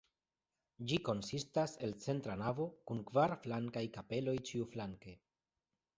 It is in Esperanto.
Ĝi konsistas el centra navo kun kvar flankaj kapeloj ĉiuflanke.